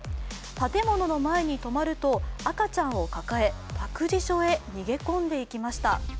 建物の前に止まると赤ちゃんを抱え、託児所へ逃げ込んでいきました。